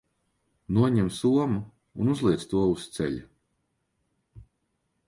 Noņem somu un uzliec to uz ceļa.